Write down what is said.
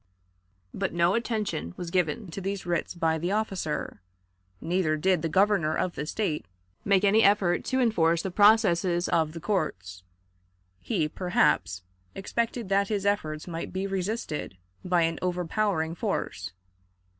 But no attention was given to these writs by the officer. Neither did the Governor of the State make any effort to enforce the processes of the courts. He, perhaps, expected that his efforts might be resisted by an overpowering force.